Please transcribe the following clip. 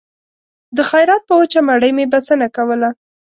د خیرات په وچه مړۍ مې بسنه کوله